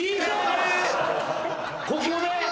ここで？